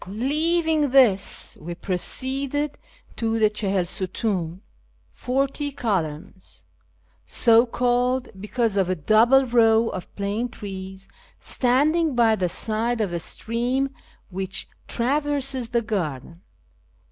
Leaving this, we proceeded to the Chaliil sutun (" forty columns "), so called because of a double row of plane trees standing by the side of a stream which traverses the garden.